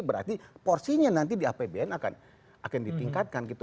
berarti porsinya nanti di apbn akan ditingkatkan gitu